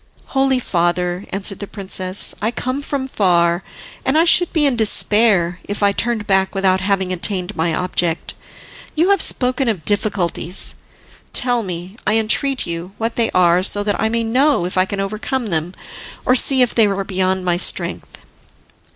"Holy father," answered the princess, "I come from far, and I should be in despair if I turned back without having attained my object. You have spoken of difficulties; tell me, I entreat you, what they are, so that I may know if I can overcome them, or see if they are beyond my strength."